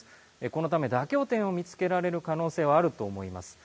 このため妥協点を見つけられる可能性はあると思います。